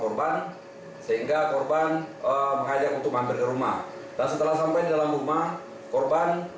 korban sehingga korban mengajak untuk mampir ke rumah dan setelah sampai dalam rumah korban